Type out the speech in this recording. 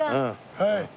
はい。